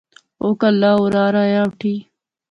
او کہلاہ اورار آیا اٹھی